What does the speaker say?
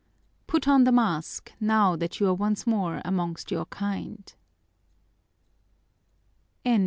Put on the mask now that you are once more amongst your kind!